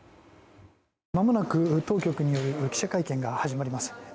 まもなく当局による記者会見が始まります。